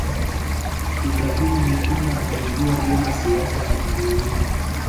ibrahim Lipumba anaijua vyema siasa ya tanzania